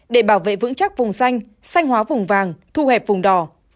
để bảo vệ vững chắc vùng xanh sanh hóa vùng vàng thu hẹp vùng đỏ